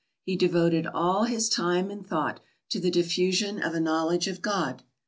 He devoted all his time and thought to the diffusion of a knowledge of God.